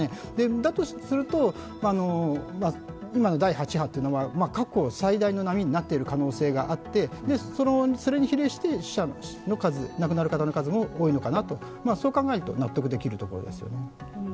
だとすると、今の第８波というのは過去最大の波になっている可能性があってそれに比例して死者の数亡くなる方の数も多いのかなと、そう考えると納得できるところですよね。